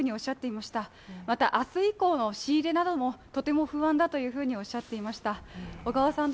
また、明日以降の仕入れなどもとても不安だというふうにおっしゃっていました。